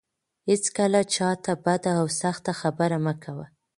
هيڅکله چا ته بده او سخته خبره مه کوه.